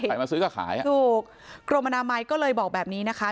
ถูกโครมนามัยก็เลยบอกแบบนี้นะคะ